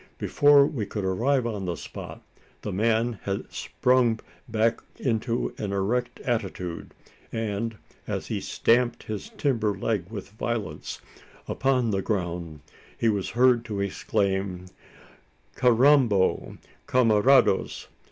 Before we could arrive on the spot, the man had sprung back into an erect attitude; and, as he stamped his timber leg with violence upon the ground, was heard to exclaim: "Carrambo, camarados!